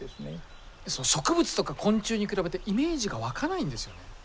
植物とか昆虫に比べてイメージが湧かないんですよね。